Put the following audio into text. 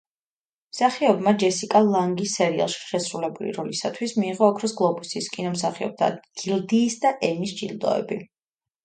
მსახიობმა ჯესიკა ლანგი სერიალში შესრულებული როლისათვის მიიღო ოქროს გლობუსის, კინომსახიობთა გილდიის და ემის ჯილდოები.